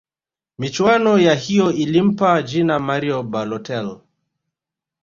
michuano ya hiyo ilimpa jina mario balotel